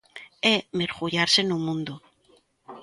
É mergullarse no mundo.